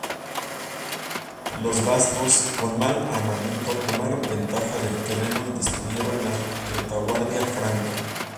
Los vascos con mal armamento tomaron ventaja del terreno y destruyeron la retaguardia franca.